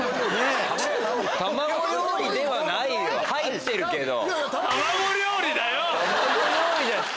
入ってるけど。